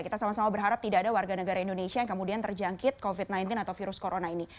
kita sama sama berharap tidak ada warga negara indonesia yang kemudian terjangkit covid sembilan belas atau virus corona ini